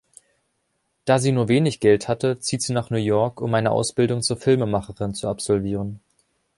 Da sie nur wenig Geld hatte, zieht sie nach New York, um eine Ausbildung zur Filmemacherin zu absolvieren.